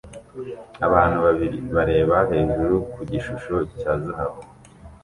Abantu babiri bareba hejuru ku gishusho cya zahabu